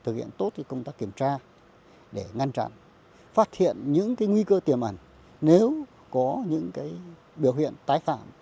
thực hiện tốt công tác kiểm tra để ngăn chặn phát hiện những nguy cơ tiềm ẩn nếu có những biểu hiện tái phạm